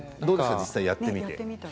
実際にやってみて。